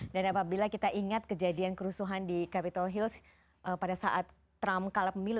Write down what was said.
dan apabila kita ingat kejadian kerusuhan di capitol hills pada saat trump kalah pemilu